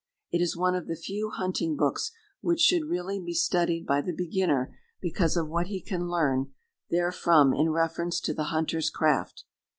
It is one of the few hunting books which should really be studied by the beginner because of what he can learn therefrom in reference to the hunter's craft.